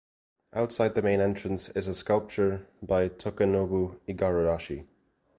Outside the main entrance is a sculpture by Takenobu Igarashi.